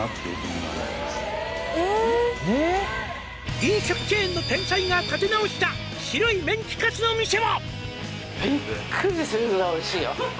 「飲食チェーンの天才が立て直した」「白いメンチカツの店は？」